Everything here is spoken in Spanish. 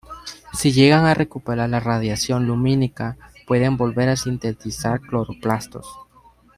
Si llegan a recuperar la radiación lumínica pueden volver a sintetizar cloroplastos.